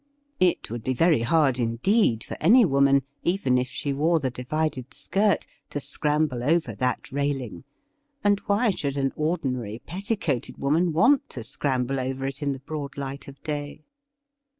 It would be very hard indeed for any woman, even if she wore the divided skirt^ to scramble over 8 THE RIDDLE RING that railing; and why should an ordinary petticoated woman want to scramble over it in the broad light oi day